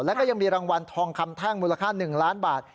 แล้วก็ยังมีรางวัลทองคำแท่งมูลค่า๑ล้านบาท